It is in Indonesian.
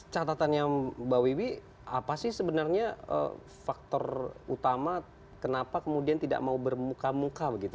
catatannya mbak wiwi apa sih sebenarnya faktor utama kenapa kemudian tidak mau bermuka muka begitu